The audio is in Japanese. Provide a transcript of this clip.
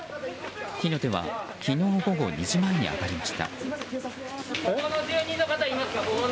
火の手は昨日午後２時前に上がりました。